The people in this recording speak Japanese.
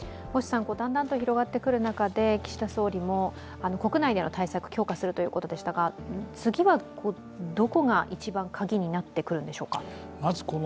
だんだんと広がってくる中で岸田総理も国内での対策を強化するということでしたが次はどこが一番鍵になってくるんでしょうか？